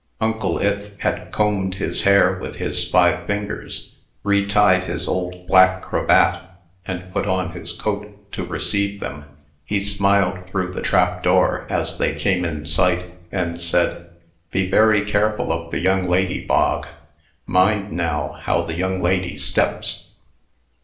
Uncle Ith had combed his hair with his five fingers, retied his old black cravat, and put on his coat, to receive them. He smiled through the trap door, as they came in sight, and said, "Be very careful of the young lady, Bog. Mind, now, how the young lady steps."